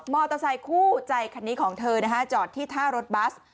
เตอร์ไซคู่ใจคันนี้ของเธอนะฮะจอดที่ท่ารถบัส